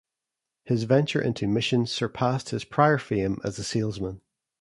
His venture into missions surpassed his prior fame as a salesman